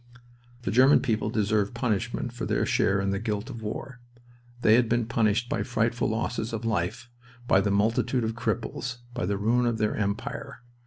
The German people deserved punishment for their share in the guilt of war. They had been punished by frightful losses of life, by a multitude of cripples, by the ruin of their Empire.